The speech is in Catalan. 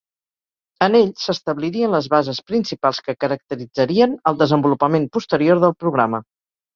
En ell s'establirien les bases principals que caracteritzarien el desenvolupament posterior del programa.